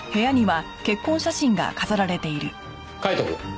カイトくん。